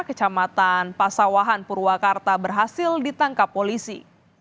kecamatan pasawahan purwakarta berhasil ditangkap polisi